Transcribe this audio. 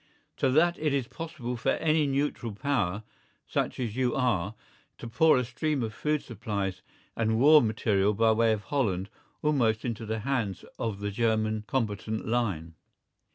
So that it is possible for any neutral power, such as you are, to pour a stream of food supplies and war material by way of Holland almost into the hands of the German combatant line.